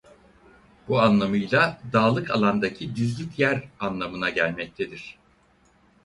Bu anlamıyla "Dağlık alandaki düzlük yer" anlamına gelmektedir.